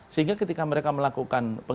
sehingga ketika mereka melakukan penghilangan nyawa